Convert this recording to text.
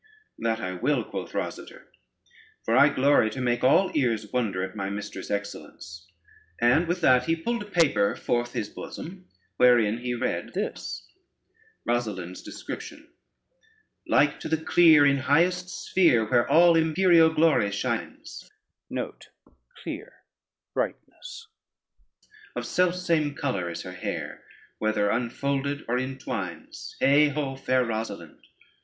"That I will," quoth Rosader, "for I glory to make all ears wonder at my mistress' excellence." And with that he pulled a paper forth his bosom, wherein he read this: Rosalynde's Description Like to the clear in highest sphere Where all imperial glory shines, Of selfsame color is her hair, Whether unfolded or in twines: Heigh ho, fair Rosalynde!